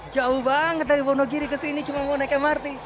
jauh banget dari wonogiri ke sini cuma mau naik mrt